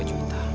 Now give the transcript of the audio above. aku ber penser